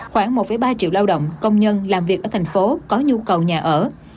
khoảng một ba triệu lao động công nhân làm việc ở thành phố có nhu cầu nhà ở